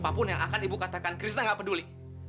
apapun yang akan ibu katakan krisna gak peduli